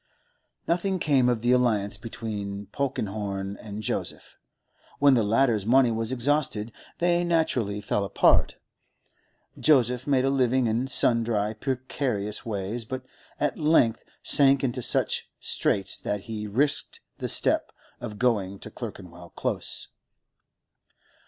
Nothing came of the alliance between Polkenhorne and Joseph; when the latter's money was exhausted, they naturally fell apart. Joseph made a living in sundry precarious ways, but at length sank into such straits that he risked the step of going to Clerkenwell Close.